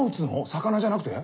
魚じゃなくて？